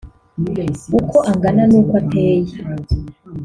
uko angana n’uko ateye